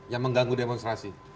yang mengganggu demonstrasi